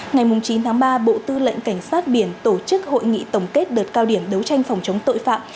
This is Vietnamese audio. ngày chín tháng ba bộ tư lệnh cảnh sát biển tổ chức hội nghị tổng kết đợt cao điểm đấu tranh phòng chống tội phạm